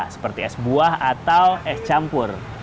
seperti es buah atau es campur